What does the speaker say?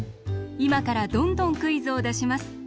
いまからどんどんクイズをだします。